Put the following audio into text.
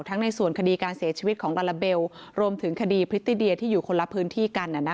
ในส่วนคดีการเสียชีวิตของลาลาเบลรวมถึงคดีพริตติเดียที่อยู่คนละพื้นที่กัน